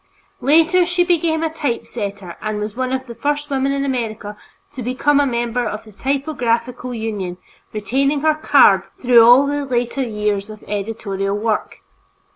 Later she became a typesetter and was one of the first women in America to become a member of the typographical union, retaining her "card" through all the later years of editorial work.